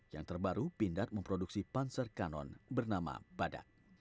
yang terbaru pindad memproduksi panzer kanon bernama padak